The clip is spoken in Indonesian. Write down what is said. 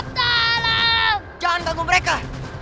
jangan ganggu mereka